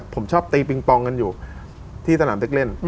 ผมชอบตีปิงปองกันอยู่ที่สนามเด็กเล่น